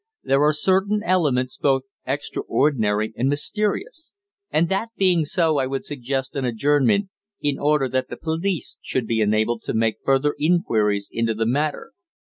There are certain elements both extraordinary and mysterious, and that being so I would suggest an adjournment, in order that the police should be enabled to make further enquiries into the matter.